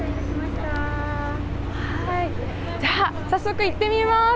では、早速行ってみます。